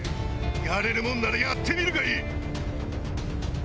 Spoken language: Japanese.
やれるもんならやってみるがいい！